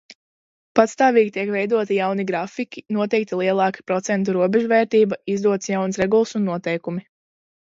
Pastāvīgi tiek veidoti jauni grafiki, noteikta lielāka procentu robežvērtība, izdotas jaunas regulas un noteikumi.